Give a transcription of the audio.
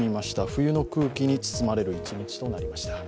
冬の空気に包まれる１日となりました。